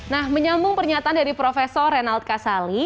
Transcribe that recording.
nah menyambung pernyataan dari profesor renald kasali